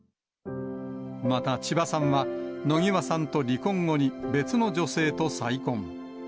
また千葉さんは、野際さんと離婚後に別の女性と再婚。